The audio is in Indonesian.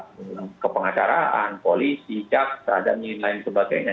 pak ke pengacaraan polisi caf sadar lain sebagainya